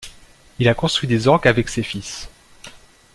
Il a construit des orgues avec ses fils.